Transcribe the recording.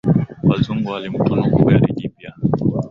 Wazungu walimtunuku gari jipya